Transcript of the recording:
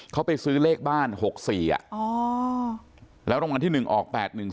เขาไปซื้อเลขบ้าน๖๔แล้วรางวัลที่๑ออก๘๑๒